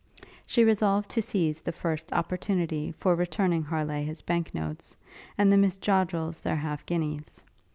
She resolved to seize the first opportunity for returning Harleigh his bank notes, and the Miss Joddrels their half guineas.